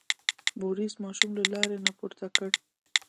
بوریس ماشوم له لارې نه پورته کړ.